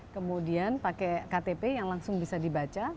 kemudian pakai ktp yang langsung bisa dibaca